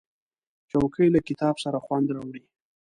چوکۍ له کتاب سره خوند راوړي.